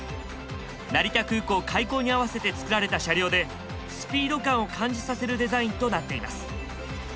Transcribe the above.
成田空港開港に合わせて造られた車両でスピード感を感じさせるデザインとなっています。